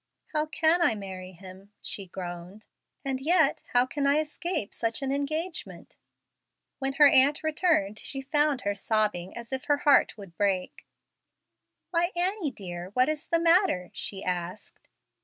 "How can I marry him?" she groaned; "and yet how can I escape such an engagement?" When her aunt returned she found her sobbing as if her heart would break. "Why, Annie, dear, what is the matter?" she asked.